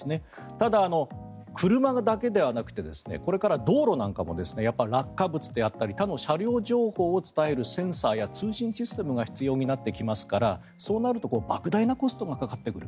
ただ、車だけではなくてこれからは道路なんかも落下物であったり他の車両情報を伝えるセンサーや通信システムが必要になってきますからそうなるとばく大なコストがかかってくる。